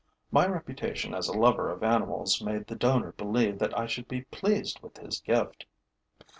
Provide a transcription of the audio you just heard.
My reputation as a lover of animals made the donor believe that I should be pleased with his gift.